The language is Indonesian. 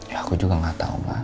ya aku juga nggak tahu ma